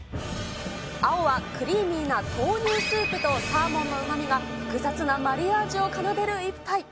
青は、クリーミーな豆乳スープとサーモンのうまみが複雑なマリアージュを奏でる一杯。